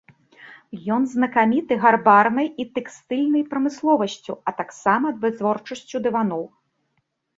Ён знакаміты гарбарнай і тэкстыльнай прамысловасцю, а таксама вытворчасцю дываноў.